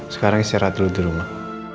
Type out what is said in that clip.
sekarang istirahat dulu di rumah